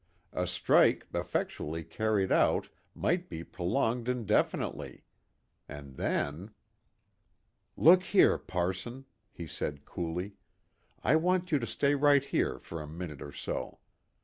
A strike effectually carried out might be prolonged indefinitely, and then "Look here, parson," he said coolly, "I want you to stay right here for a minute or so.